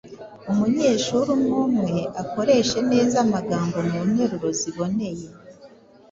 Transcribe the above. Umunyeshuri umwumwe akoreshe neza amagambo mu nteruro ziboneye